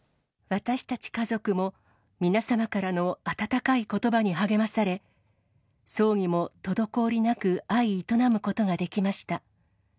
私たち家族も、皆様からの温かいことばに励まされ、葬儀も滞りなく相営むことができました。